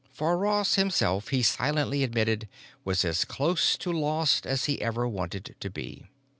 For Ross himself, he silently admitted, was as close to lost as he ever wanted to be.